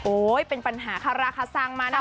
โอ๊ยเป็นปัญหาค่ะราคาสังมานะฮะ